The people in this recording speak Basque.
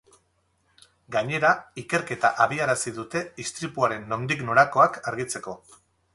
Gainera, ikerketa abiarazi dute istripuaren nondik norakoak argitzeko.